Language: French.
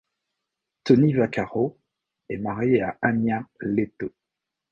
Tony Vaccaro est marié à Anja Lehto.